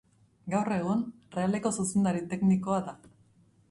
Gaur egun, Realeko zuzendari teknikoa da.